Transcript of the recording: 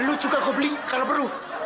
lo juga gue beli kalau perlu